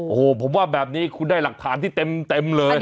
โอ้โหผมว่าแบบนี้คุณได้หลักฐานที่เต็มเลย